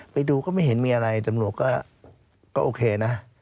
ไปดูก็ไม่เห็นมีอะไรตำรวจก็โอเคนะ